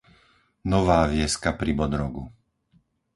Nová Vieska pri Bodrogu